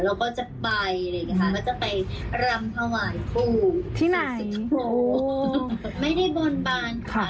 เราก็จะไปเลยนะคะเราก็จะไปรำถวายผู้ที่ไหนไม่ได้บนบานค่ะ